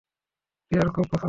টিয়ার খুব পছন্দের।